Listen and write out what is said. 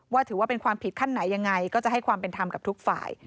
ถือว่าเป็นความผิดขั้นไหนยังไงก็จะให้ความเป็นธรรมกับทุกฝ่าย